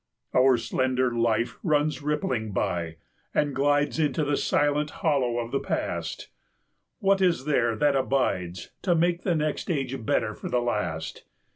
Our slender life runs rippling by, and glides Into the silent hollow of the past; What is there that abides To make the next age better for the last?